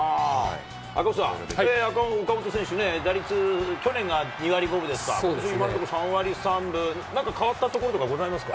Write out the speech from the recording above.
赤星さん、岡本選手ね、打率、去年が２割５分ですか、今のところ３割３分、なんか変わったところとかございますか。